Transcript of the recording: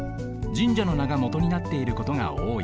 神社のながもとになっていることがおおい。